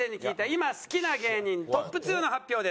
今好きな芸人トップ２の発表です。